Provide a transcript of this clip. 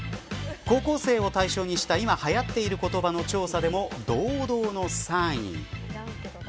高校生を対象にした今はやっている言葉の調査でも堂々の３位。